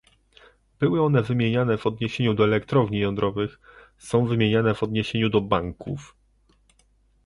Były one wymieniane w odniesieniu do elektrowni jądrowych, są wymieniane w odniesieniu do banków